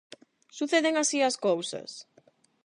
Suceden así as cousas?